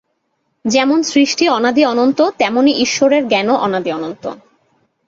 যেমন সৃষ্টি অনাদি অনন্ত, তেমনি ঈশ্বরের জ্ঞানও অনাদি অনন্ত।